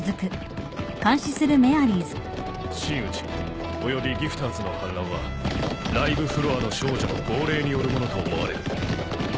真打ちおよびギフターズの反乱はライブフロアの少女の号令によるものと思われる。